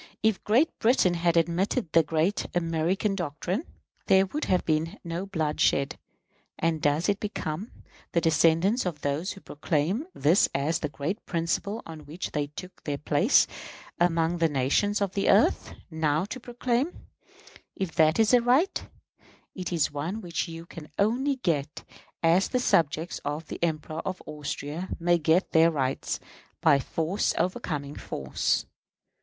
If Great Britain had admitted the great American doctrine, there would have been no blood shed; and does it become the descendants of those who proclaimed this as the great principle on which they took their place among the nations of the earth, now to proclaim, if that is a right, it is one which you can only get as the subjects of the Emperor of Austria may get their rights, by force overcoming force?